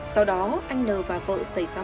sau đó anh nờ và vợ xảy ra